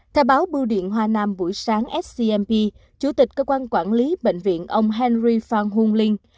theo báo bưu điện hoa nam buổi sáng scmp chủ tịch cơ quan quản lý bệnh viện ông henry phan hung linh